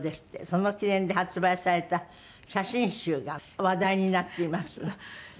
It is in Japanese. その記念で発売された写真集が話題になっています。